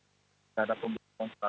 tidak ada pembuluhan konsular